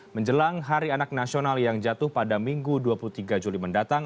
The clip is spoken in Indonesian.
menjelang hari anak nasional yang jatuh pada minggu dua puluh tiga juli mendatang